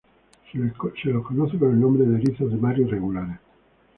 Se los conoce con el nombre de erizos de mar irregulares.